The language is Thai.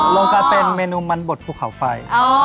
ร่วมกับเป็นเมนูบันบดภูเขาไฟ